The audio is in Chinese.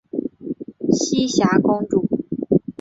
栖霞公主。